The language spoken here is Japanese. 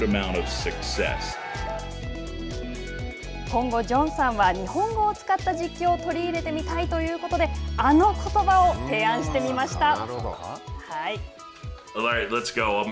今後、ジョンさんは日本語を使った実況を取り入れてみたいということであのことばを提案してみました。